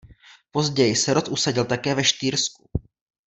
Později se rod usadil také ve Štýrsku.